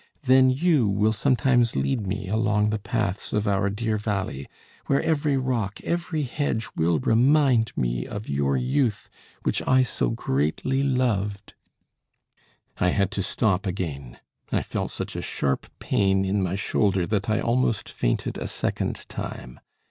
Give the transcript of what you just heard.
Then you will sometimes lead me along the paths of our dear valley, where every rock, every hedge will remind me of your youth which I so greatly loved " I had to stop again. I felt such a sharp pain In my shoulder, that I almost fainted a second time.